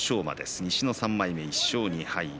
西の３枚目２勝２敗。